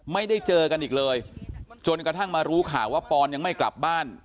ไม่ได้เจอกันอีกเลยจนกระทั่งมารู้ข่าวว่าปอนยังไม่กลับบ้าน